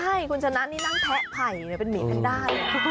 ใช่คุณชนะนี่นั่งแพะผ่ายเลยเป็นเหม็นแพนด้าน